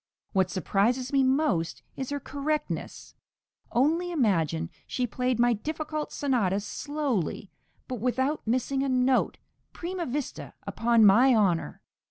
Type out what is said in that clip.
What surprises me most is her correctness. Only imagine, she played my difficult sonatas slowly, but without missing a note, prima vista, upon my honour.